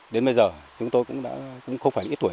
đến bây giờ chúng tôi cũng đã không phải những tuổi